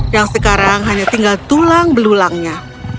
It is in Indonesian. yang sekarang hanya tinggal tulang belulangnya